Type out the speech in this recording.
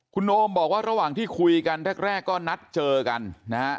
คุณโอมบอกว่าระหว่างที่คุยกันแรกก็นัดเจอกันนะฮะ